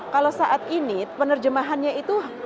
kalau saat ini penerjemahannya itu